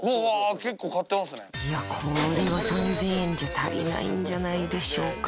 いやこれは３０００円じゃ足りないんじゃないでしょうか